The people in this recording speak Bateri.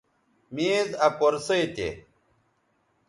میز آ کرسئ تھے